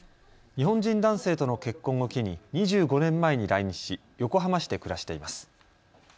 日本人男性との結婚を機に２５年前に来日し横浜市で暮らしています。